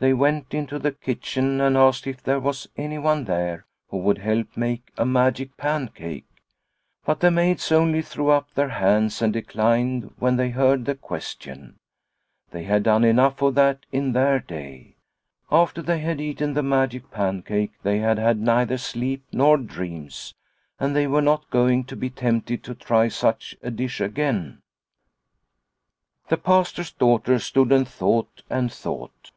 They went into the kitchen and asked if there was anyone there who would help make a magic pancake, But the maids only threw The Magic Pancake 89 up their hands and declined when they heard the question. They had done enough of that in their day. After they had eaten the magic pancake, they had had neither sleep nor dreams, and they were not going to be tempted to try such a dish again ! The Pastor's daughter stood and thought and thought.